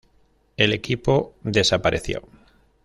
El equipo desapareció.